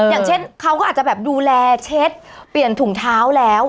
อย่างเช่นเขาก็อาจจะแบบดูแลเช็ดเปลี่ยนถุงเท้าแล้ว